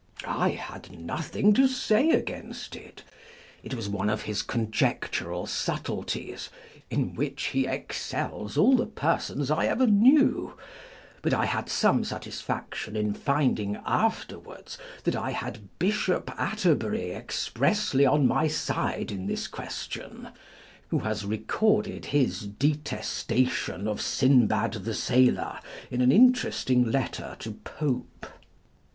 I had nothing to say against it : it was one of his con jectural subtleties, in which he excels all the persons I ever knew ; but I had some satisfaction in finding after wards that I had Bishop Atterbury expressly on my side in this question, who has recorded his detestation of Sinbad the Sailor, in an interesting letter to Pope.